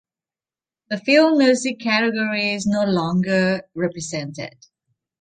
The film music category is no longer represented.